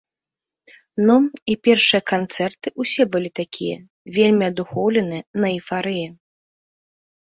Ну, і першыя канцэрты ўсе былі такія вельмі адухоўленыя, на эйфарыі.